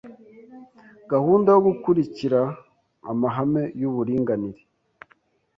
gahunda yo gukurikira amahame y uburinganire